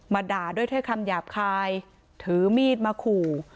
ด่าด้วยถ้อยคำหยาบคายถือมีดมาขู่